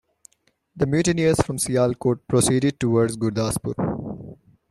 The mutineers from Sialkot proceeded towards Gurdaspur.